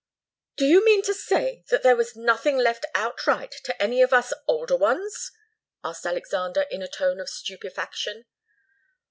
"Do you mean to say that there was nothing left outright to any of us older ones?" asked Alexander, in a tone of stupefaction.